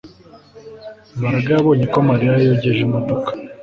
Mbaraga yabonye ko Mariya yogeje imodoka